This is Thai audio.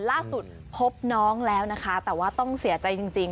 ล่าสุดพบน้องแล้วนะคะแต่ว่าต้องเสียใจจริง